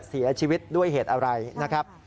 เสียชีวิตด้วยเหตุอะไรนะครับ